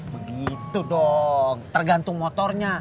begitu dong tergantung motornya